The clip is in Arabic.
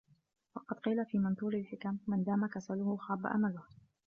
وَقَدْ قِيلَ فِي مَنْثُورِ الْحِكَمِ مَنْ دَامَ كَسَلُهُ خَابَ أَمَلُهُ